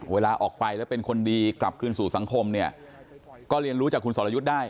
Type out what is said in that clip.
เวลาออกไปแล้วเป็นคนดีกลับคืนสู่สังคมเนี่ยก็เรียนรู้จากคุณสรยุทธ์ได้